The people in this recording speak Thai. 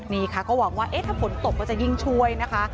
นี่ค่ะก็หวังว่าถ้าฝนตกก็จะยิ่งช่วยนะคะ